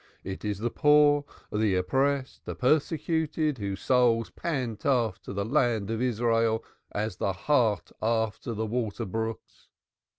It is the poor, the oppressed, the persecuted, whose souls pant after the Land of Israel as the hart after the water brooks.